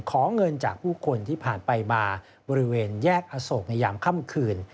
ขอเงินจากผู้คนที่ผ่านไปมาบริเวณแยกอโศกในยามค่ำคืน